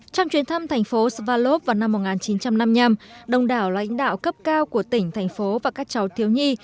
trong chuyến thăm thành phố sivalok vào năm một nghìn chín trăm năm mươi năm đông đảo lãnh đạo cấp cao của tỉnh thành phố và các cháu thiếu nhi